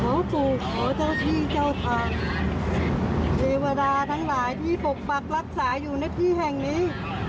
สู่ขอเจ้าที่เจ้าทางเทวดาทั้งหลายที่ปกปักรักษาอยู่ในที่แห่งนี้